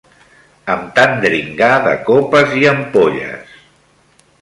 Amb tan dringar de copes i ampolles...